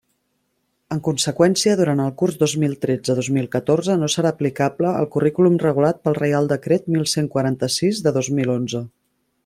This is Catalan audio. En conseqüència, durant el curs dos mil tretze dos mil catorze no serà aplicable el currículum regulat pel Reial decret mil cent quaranta-sis de dos mil onze.